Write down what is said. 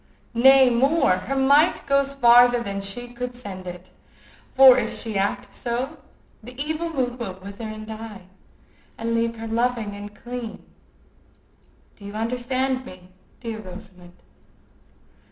Nay, more; her might goes farther than she could send it, for if she act so, the evil mood will wither and die, and leave her loving and clean.—Do you understand me, dear Rosamond?"